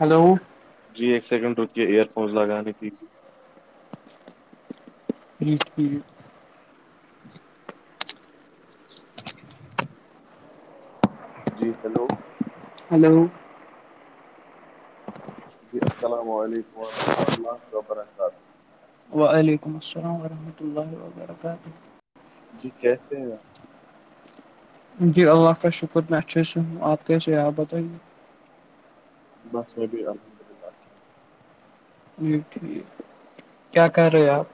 Hello جی ایک second رکیے ایئر فونس لگانے دیجیے ٹھیک ٹھیک [inaudible] جی ہیلو ہلو جی السلام علیکم ورحمۃ اللہ و برکاتہ وعلیکم السلام ورحمۃ اللہ وبرکاتہ جی کیسے ہیں جی اللہ کا شکر میں اچھے سے ہوں آپ کیسے ہیں اپ بتائیے بس میں بھی الحمدللہ جی ٹھیک کیا کر رہے آپ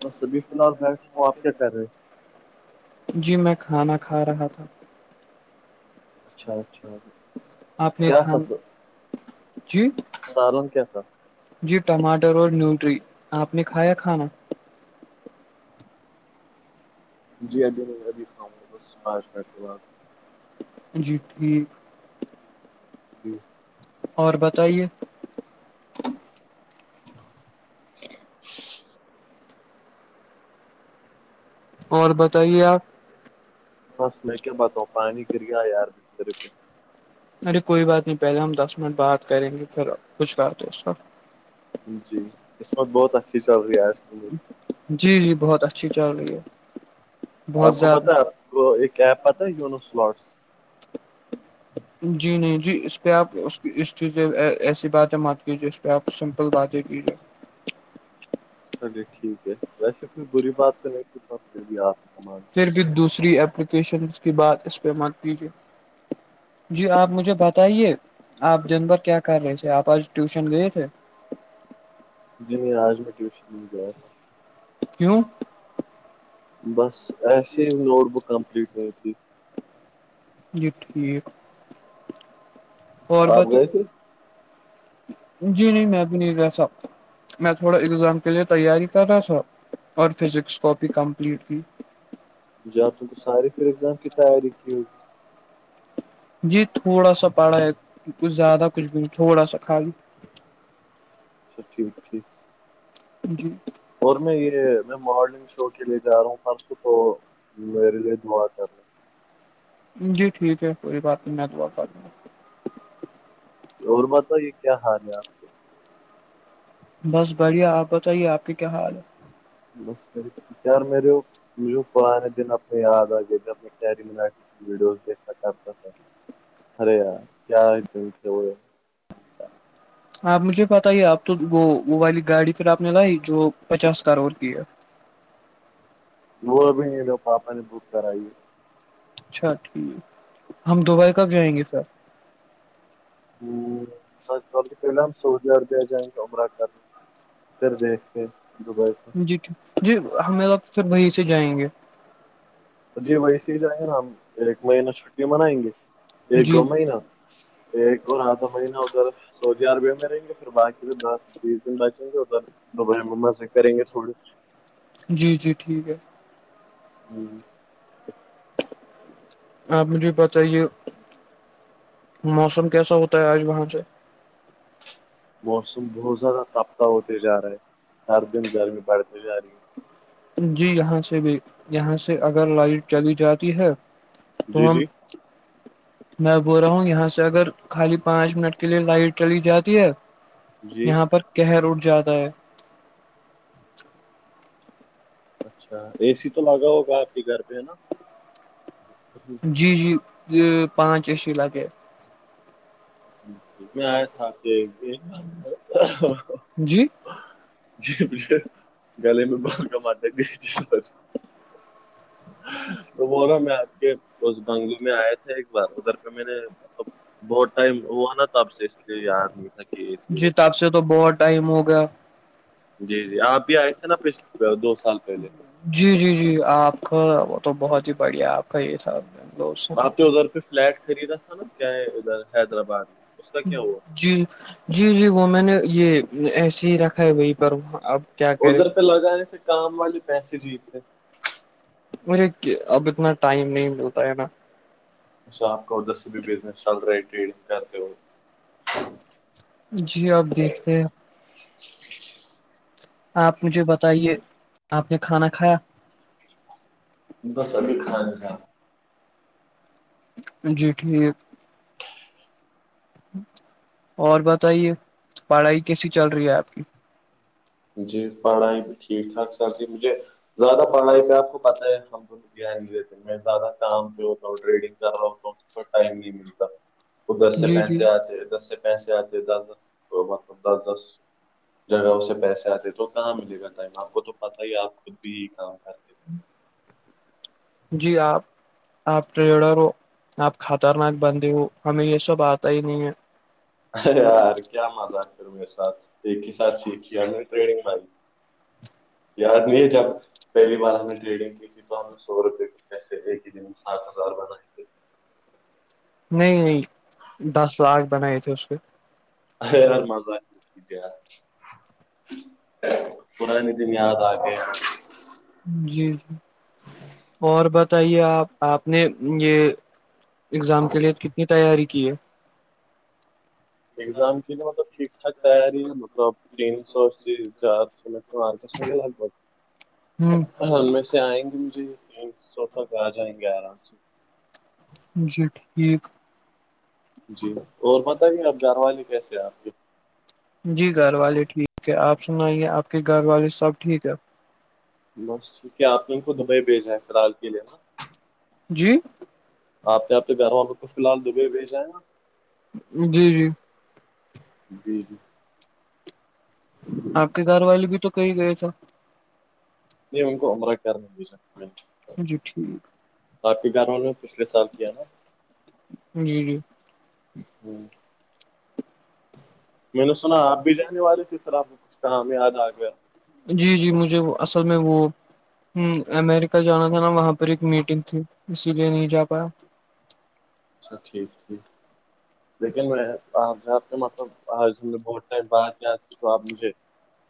بس ابھی فی الحال بیٹھا ہوں اپ کیا کر رہے ہیں جی میں کھانا کھا رہا تھا اچھا اچھا آپ نے کیا تھا کھانا جی سالن کیا تھا جی ٹماٹر اور نیوٹری آپ نے کھایا کھانا جی ابھی نہیں ابھی کھاؤں گا بس پانچ منٹ کے بعد جی ٹھیک جی اور بتائیے [inaudible] اور بتائیے آپ بس میں کیا بتاؤں پانی گر گیا یار ارے کوئی بات نہیں پہلے ہم دس منٹ بات کریں گے پھر کچھ بات ہے اس کا جی قسمت بہت اچھی چل رہی ہے آج کی میری جی جی بہت اچھی چل رہی ہے بہت آپ کو زیادہ پتہ ہے آپ کو ایک ایپ پتا ہے یونو سلاٹس جی نہیں جی اس پہ آپ اس اس چیز ایسی باتیں مت کیجیے اس کہ آپ سمپل باتیں کیجیے چلیے ٹھیک ہے ویسے کوئی بری بات نہیں تھی پھر بھی آپ ہی کمال بات پھر بھی دوسری اپپلیکیشن کی بات اس پہ مت کیجیے جی آپ مجھے بتائیے آپ دن بھر کیا کر رہے تھے آپ آج ٹیوشن گئے تھے جی نہیں آج میں ٹیوشن نہیں گیا تھا کیوں بس ایسے ہی نوٹ بک کمپلیٹ نہیں تھی جی ٹھیک اور آپ بتاؤ گئے تھے جی نہیں میں بھی نہیں گیا تھا میں تھوڑا اگزام کے لیے تیاری کر رہا تھا اور فزکس کاپ کمپلیٹ کی جا تم تو ساری پھر ایگزام کی تیاری کی ہوگی جی تھوڑا سا پڑا ہے کچھ زیادہ کچھ بھی نہیں تھوڑا سا خالی اچھا ٹھیک ٹھیک جی اور میں یہ میں مارننگ شو کے لیے جا رہا ہوں پرسوں تو میرے لیے دعا کرنا جی ٹھیک ہے کوئی بات نہیں میں دعا کر دوں گا اور بتائیے کیا حال ہے آپ کے بس بڑھیا آپ بتائیے آپ کی کیا حال ہے نیار میرے مجھے پرانے دن اپنے یاد آ گئے تھے اپنی جب میں کیری مناٹی ویڈیوز دیکھا کرتا تھا ارے یار کیا ہے دن تھے وہ آپ مجھے بتائیے آپ تو وہ والی گاڑی پھر آپ نے لائی جو پچاس کروڑ کی ہے وہ بھی نہیں لی پاپا نے بک کرائی ہے اچھا ٹھیک ہم دبئی کب جائیں گے پھر سب سے پہلے ہم سعودی عربیہ جائیں گے عمرہ کرنے ادھر دیکھ کے دبئی کا جی ٹھیک جی ہمیں لوگ پھر وہیں سے جائیں گے جی ویسے ہی جائیں گے نا ہم ایک مہینہ چھٹی منائیں گے ایک جی دو مہینہ ایک اور آدھا مہینہ ادھر سعودی عربیہ میں رہیں گے پھر باقی دس بیس دن بچیں گے ادھر دوبائی مما سے کریں گے تھوڑی جی جی ٹھیک ہے ہوں آپ مجھے بتائیے موسم کیسا ہوتا ہے آج وہاں سے موسم بہت زیادہ تپتا ہوتے جا رہا ہے ہر دن گرمی بڑھتی جا رہی ہے جی یہاں سے بھی یہاں سے اگر لائٹ چلی جاتی ہے جی تو ہم جی [unintelligible] میں بول رہا ہوں یہاں سے اگر خالی پانچ منٹ کے لیے لائٹ چلی جاتی ہے جی یہاں پر کہر اٹھ جاتا ہے اچھا اے سی تو لگا ہوگا آپ کے گھر پہ ہے نا جی جی یہ پانچ اے سی لگے ہیں جی میں آیا تھا آپ کے یہاں ایک بار جی جی پیچھے گلے میں بہت اچ [unintelligible] میں آپ کے اس بنگلو میں آئے تھے ایک بار ادھر کا میں نے بہت ٹائم وہ نا تو اب سے اس لیے یاد نہیں تھا کہ اے سی جی ہے کیا تب سے تو بہت ٹائم ہوگیا جی جی آپ بھی آئے تھے نا پچھلے بار دو سال پہلے جی جی جی آپ کا وہ تو بہت ہی بڑھیا آپ کا یہ تھا سے۔ آپ نے ادھر کوئی فلیٹ خریدا تھا نا کیا ہے ادھر حیدرآباد میں اس کا کیا ہوا جی جی جی وہ میں نے یہ ایسے ہی رکھا ہے وہی پر اب کیا کرے ادھر لگانے کام والے پیسے جیتے مجھے اب اتنا ٹائم نہیں ملتا ہے نا اچھا آپ کا ادھر سے بھی بزنس چل رہا ہے ٹریڈنگ کرتے ہوئے جی اب دیکھتے ہیں آپ مجھے بتائیے آپ نے کھانا کھایا بس ابھی کھاؤں گا جی ٹھیک اور بتائیے پڑھائی کیسی چل رہی ہے آپ کی جی پڑھائی بھی ٹھیک ٹھاک چل رہی ہے مجھے زیادہ پڑھائی پہ آپ کو پتہ ہے ہم دھیان نہیں دیتے میں زیادہ کام پہ ہوتا ہوں ٹریڈنگ کر رہا ہوں تو ٹائم نہیں ملتا ادھر سے جی جی پیسے اتے ہیں ادھر سے پیسے آتے دس دس مطلب دس دس جگہوں سے پیسے چاہتے تو کہاں ملے گا ٹائم آپ کو تو پتاہ ہی آپ خود بھی یہی کام کرتے ہیں۔ ہوں جی آپ آپ ٹریڈر ہو آپ خطرناک بندی ہو ہمیں یہ سب آتا ہی نہیں ہے ارے یار کیا مذاق کرو گے میرے ساتھ ایک ہی ساتھ سیکھ کیا ہم نے ٹریڑنگ بھائی یار نہیں جب پہلی بار ہم نے ٹریڈنگ کی تھی تو ہم نے سو روپے کو کیسے لے کے ساتھ ہزار بنائے تھے نہیں نہیں دس لاکھ بنائے تھے اس کے ارے یار مزہ آتا تھا یار پرانے دن یاد اگئے اج جی جی اور بتائیے آپ آپ نے یہ اگزام کے لیے کتنی تیاری کی ہے اگزام کی لیے مطلب ٹھیک ٹھاک تیاری مطلب تین سو سے چار سو میں مارکس سے لگ بگ ہوں ان میں سے آئیں گے مجھے سو تک آ جائیں گے آرام سے جی ٹھیک جی اور بتائیے آپ گھر والے کیسے ہیں آپ کے جی گھر والے ٹھیک ہے آپ سنائیے آپ کے گھر والے سب ٹھیک ہے بس ٹھیک ہے آپ نے ان کو دبئی بھیجا ہے فی الحال کے لیے نا جی آپ نے اپنے گھر والوں کو فی الال دبئی بھیجنا ہے نا جی جی جی جی آپ کے گھر والے بھی تو کہیں گئے تھے نہیں ان کو عمرہ کرنے کے لیے بھیجا جی ٹھیک اپ کے گھر والوں نے پچھلے سال کیا نا جی جی ہوں میں نے سنا آپ بھی جانے والے تھے پھر آپ کو کچھ کام یاد آ گیا جی جی مجھے اصل میں وہ امیریکا جانا تھا نا وہاں پر ایک میٹنگ تھی اسی لیے نہیں جا پایا اچھا ٹھیک ٹھیک لیکن آپ آپ کے مطلب آج نے بہت ٹیم بعد یاد کیا تو آپ مجھے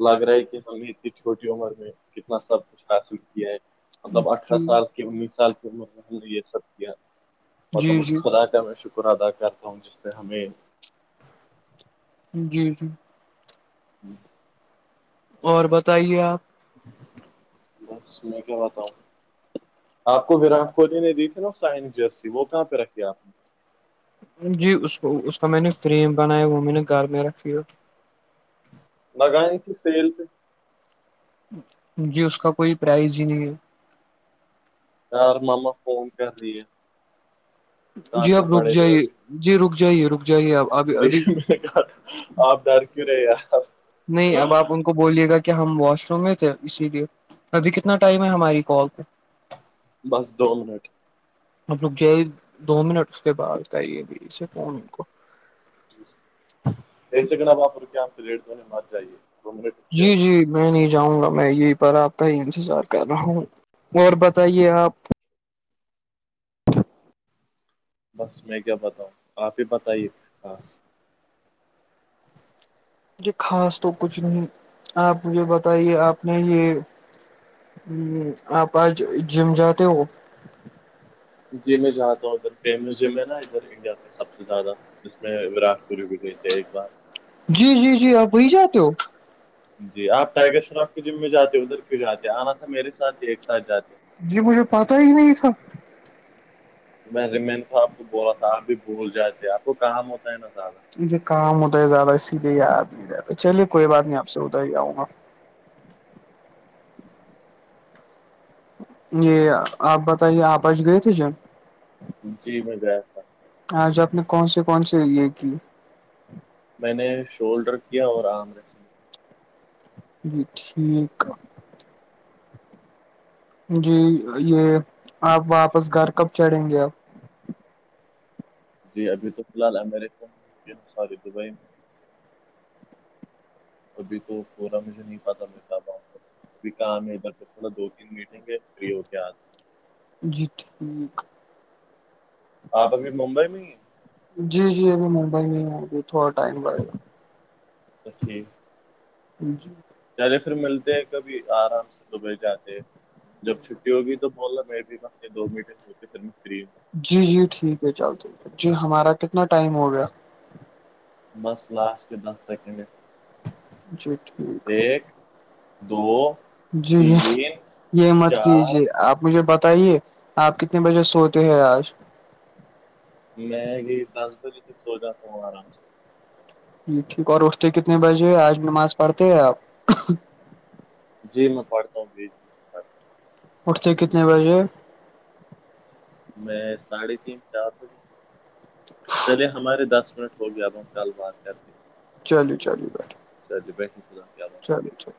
لگ رہا ہے کہ ہم نے اتنی چھوٹی عمر میں کتنا سب کچھ حاصل کیا ہے مطلب اٹھارہ جی سال کی انیس سال کی عمر میں ہم نے یہ سب کیا مطلب جی اس جی اللہ کا میں شکر ادا کرتا ہوں جس نے ہمیں جی جی [inaudible] اور بتائیے آپ بس میں کیا بتاؤ آپ کو وراٹ کوہلی نے دی تھی نا سائن جرسی وہ کہاں پہ رکھی آپ نے جی اس کو اس کا میں نے فریم بنایا وہ میں نے گھر میں رکھی ہے لگانی تھی سیل پہ [inaudible] جی اس کا کوئی پرائز ہی نہیں ہے یار ماما فون کر رہی ہے جی کاٹنا آپ رک پڑے گا جائیے ابھی جی رک جائیے رک جائیے آپ اب ابھی جی ابھی میں کہا آپ ڈر کیوں رہے یار نہیں اب آپ ان کو بولیے گا کہ ہم واش روم میں تھے اسی لیے ابھی کتنا ٹائم ہے ہماری کال پہ بس دو منٹ مطلب گ دو منٹ اس کے بعد بتاے اب سے فون ان کو ایسے کہنا وہاںپر کے آپ کے ریٹ تونے مت جائیے دو منٹ رک گیا جی جی میں نہیں جاؤں گا میں یہی پر آپ کا ہی انتظار کر رہا ہوں اور بتائیے آپ بس میں کیا بتاؤں آپ ہی بتائیے کچھ خاص یہ خاص تو کچھ نہیں آپ مجھے بتائیے آپ نے یہ ہ آپ آج جم جاتے ہو جی میں جاہتا ہوں ادھر فیمس جم ہے نا ادھر انڈیا کا سب سے زیادہ جس میں وراٹ [unintelligible] جی جی جی آپ وہی جاتے ہو جی آپ ٹائیگر شراف کی جم میں جاتے ادھر کیوں جاتے آنا تھا میرے ساتھ ہی ایک ساتھ جاتے جی مجھے پتا ہی نہیں تھا میں ریمین کو آپ کو بولا تھا آپ بھی بھول جاتے آپ کو کام ہوتا ہے نا زیادہ [unintelligible] کام اد ہے زیادہ اسی لیے یاد نہیں رہتا چلیے کوئی بات نہیں آپ سے ادھر ہی آؤں گا یہ آپ بتائیے آپ اچ گئے تھے جم جی میں گیا تھا آج آپ نے کون سے کون سے یہ کیے میں نے شولڈر کیا اور آرام ر سم جی ٹھیک جی یہ آپ واپس گھر کب چڑھیں گے اب جی ابھی تو فی الحال امریکہ میں ساری دبئی میں [inaudible] ابھی تو پورا مجھے نہیں پتہ کب آیے گے بھی کام ہے ادھر تو تھوڑا دو تین میٹنگ ہے فری ہو کے آج جی ٹھیک آپ ابھی ممبئی میں ہی ہے جی جی ابھی ممبئی میں ہو ابھی تھوڑا ٹائم ب گ [unintelligible] جی [unintelligible] چلے پھر ملتے ہیں کبھی آرام سے دبئی جا [unintelligible] جب چھٹی ہوگی تو بول رہا م میں بھی بس یہ دو مینٹے ہو کے پھر میں فری ہوں جی جی ٹھیک ہے چلد جی ہمارا کتنا ٹائم ہو گیا بس لاسٹ دس سیکنڈ ہے جی ٹھیک [unintelligible] ایک دو [unintelligible] جی تین یہ مت چار کیجیے آپ مجھے بتائیے آپ کتنے بجے سوتے ہیں آج میں یہی دس بجے سے سو جاتا ہوں آرام سے جی ٹھیک اور اٹھتے کتنے بجے آج نماز پڑھتے آپ [unintelligible] جی میں پڑھتا ہوں [unintelligible] اٹھتے کتنے بجے ہو میں ساڑھے تین چار بجے [inaudible] چلے ہمارے دس منٹ ہو گیا اب ہم کل بات کرتے چلو چلو بائی [unintelligible] چلیے [unintelligible]